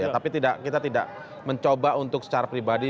tapi kita tidak mencoba untuk secara pribadi